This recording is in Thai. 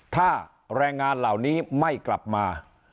ถ้าแรงงานเหล่านี้ไม่กลับมา